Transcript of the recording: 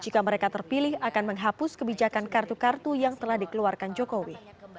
jika mereka terpilih akan menghapus kebijakan kartu kartu yang telah dikeluarkan jokowi